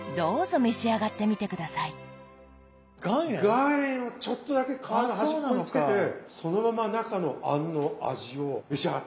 岩塩をちょっとだけ皮の端っこにつけてそのまま中の餡の味を召し上がって頂きたい。